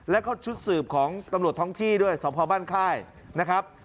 แล้วก็ชุดสืบของตำรวจท้องที่ด้วยสพบ้านค่ายนะครับ